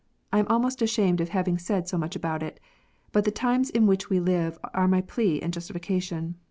I am almost ashamed of having said so much about it. But the times in which we live are my plea and justification.